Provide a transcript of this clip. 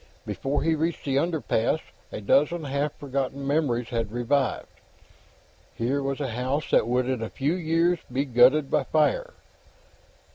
Before he reached the underpass, a dozen half forgotten memories had revived. Here was a house that would, in a few years, be gutted by fire.